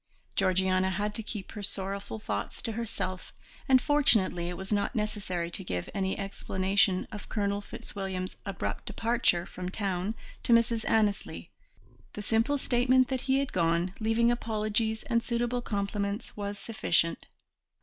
Georgiana had to keep her sorrowful thoughts to herself, and fortunately it was not necessary to give any explanation of Colonel Fitzwilliam's abrupt departure from town to Mrs. Annesley; the simple statement that he had gone, leaving apologies and suitable compliments, was sufficient.